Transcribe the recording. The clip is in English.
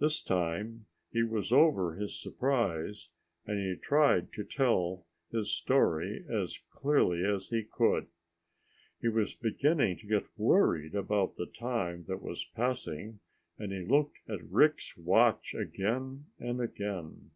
This time he was over his surprise and he tried to tell his story as clearly as he could. He was beginning to get worried about the time that was passing, and he looked at Rick's watch again and again.